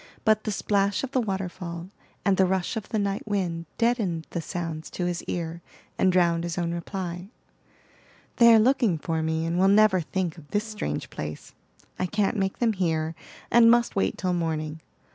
But the splash of the waterfall, and the rush of the night wind deadened the sounds to his ear, and drowned his own reply. "They are looking for me, and will never think of this strange place. I can't make them hear, and must wait till morning.